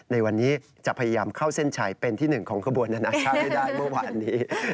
ในวันนี้จะพยายามเข้าเส้นชัยเป็นที่หนึ่งของขบวนนานาชาติให้ได้เมื่อวานนี้